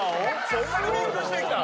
そんなに勉強してきた？